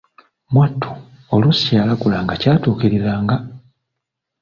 Mwattu oluusi kyeyalagulanga kyatuukiriranga!